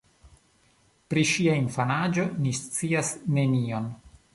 Pri ŝia infanaĝo ni scias nenion.